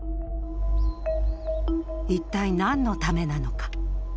一体、何のためなのか。